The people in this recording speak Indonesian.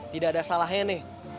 tidak ada salahnya nih